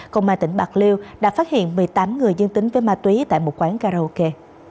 công an tỉnh bạc liêu đã phát hiện một mươi tám người dương tính với ma túy tại một quán karaoke